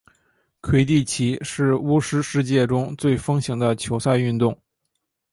魁地奇是巫师世界中最风行的球赛运动。